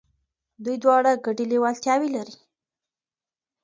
دوی دواړه ګډي لېوالتياوي لري.